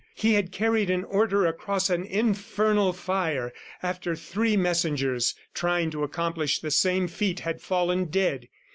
He had carried an order across an infernal fire, after three messengers, trying to accomplish the same feat, had fallen dead.